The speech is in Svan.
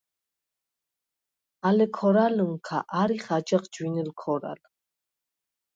ალე ქორალჷნქა არიხ აჯაღ ჯვინელ ქორალ.